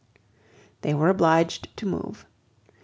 They were obliged to move.